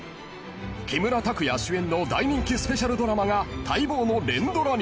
［木村拓哉主演の大人気スペシャルドラマが待望の連ドラに］